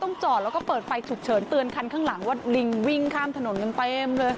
จอดแล้วก็เปิดไฟฉุกเฉินเตือนคันข้างหลังว่าลิงวิ่งข้ามถนนกันเต็มเลย